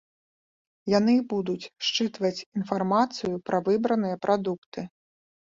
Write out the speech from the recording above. Яны і будуць счытваць інфармацыю пра выбраныя прадукты.